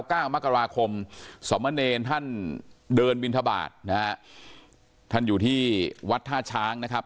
เก้ามกราคมสมเนรท่านเดินบินทบาทนะฮะท่านอยู่ที่วัดท่าช้างนะครับ